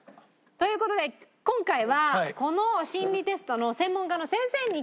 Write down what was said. という事で今回はこの心理テストの専門家の先生に来て頂いています。